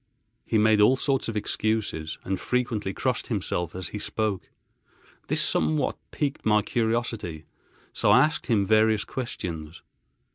He made all sorts of excuses, and frequently crossed himself as he spoke. This somewhat piqued my curiosity, so I asked him various questions.